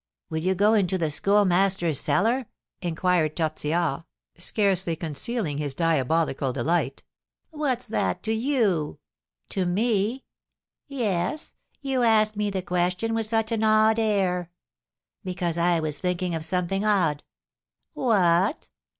"Will you go into the Schoolmaster's cellar?" inquired Tortillard, scarcely concealing his diabolical delight. "What's that to you?" "To me?" "Yes, you ask me the question with such an odd air." "Because I was thinking of something odd." "What?"